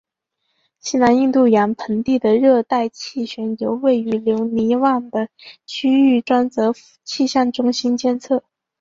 西南印度洋盆地的热带气旋由位于留尼汪的区域专责气象中心监测。